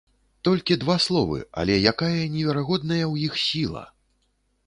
Толькі два словы, але якая неверагодная ў іх сіла!